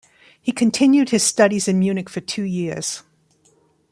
He continued his studies in Munich for two years.